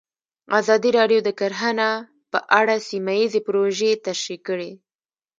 ازادي راډیو د کرهنه په اړه سیمه ییزې پروژې تشریح کړې.